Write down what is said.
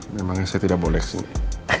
memangnya saya tidak boleh sih